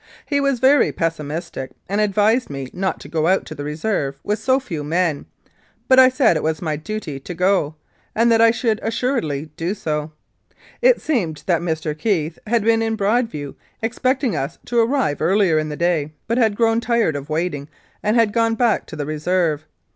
He was very pessi mistic, and advised me not to go out to the Reserve with so few men, but I said it was my duty to go, and that I should assuredly do so. It seemed that Mr. Keith had been in Broadview, expecting us to arrive earlier in the day, but had grown tired of waiting and had gone back to the Reserve.